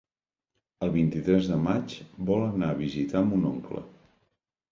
El vint-i-tres de maig vol anar a visitar mon oncle.